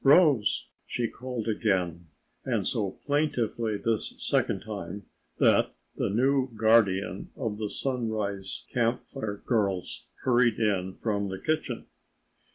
"Rose," she called again, and so plaintively this second time that the new guardian of the Sunrise Camp Fire girls hurried in from the kitchen.